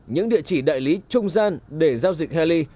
những địa chỉ đại lý trung gian để giao dịch haley